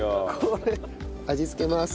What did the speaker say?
味付けます。